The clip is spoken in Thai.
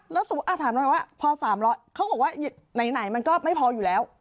แล้วสมมุติถามหน่อยว่าพอ๓๐๐เขาบอกว่าไหนมันก็ไม่พออยู่แล้ว